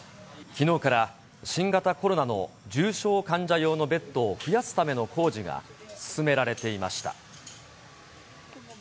きのうから、新型コロナの重症患者用のベッドを増やすための工事が進められていました。